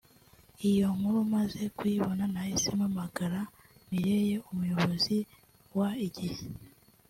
iyo nkuru maze kuyibona nahise mpamagara Meilleur (Umuyobozi wa Igihe)